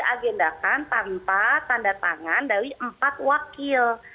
kita mengadakan tanpa tanda tangan dari empat wakil